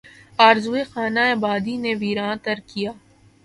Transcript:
آرزوئے خانہ آبادی نے ویراں تر کیا